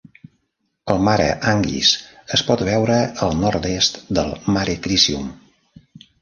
El Mare Anguis es pot veure al nord-est del Mare Crisium.